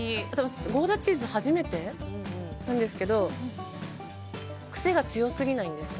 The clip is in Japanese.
ゴーダチーズ初めてなんですけど癖が強すぎないんです。